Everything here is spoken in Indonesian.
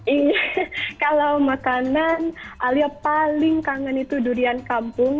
iya kalau makanan alia paling kangen itu durian kampung